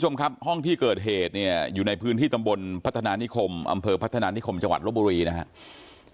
อำเภอพัฒนานิคมจังหวัดรบุรีนะครับ